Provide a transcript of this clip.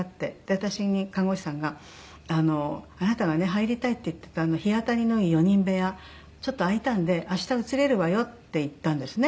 私に看護師さんが「あなたが入りたいって言ってた日当たりのいい４人部屋ちょっと空いたんで明日移れるわよ」って言ったんですね。